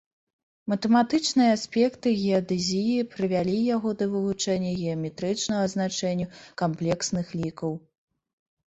Матэматычныя аспекты геадэзіі, прывялі яго да вывучэння геаметрычнага значэння камплексных лікаў.